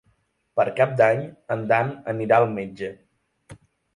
Per Cap d'Any en Dan anirà al metge.